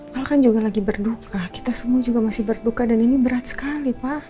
kalau kan juga lagi berduka kita semua juga masih berduka dan ini berat sekali pak